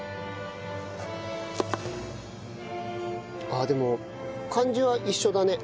あっでも感じは一緒だね。